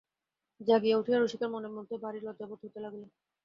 জাগিয়া উঠিয়া রসিকের মনের মধ্যে ভারি লজ্জা বোধ হইতে লাগিল।